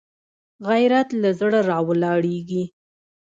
غیرت له زړه راولاړېږي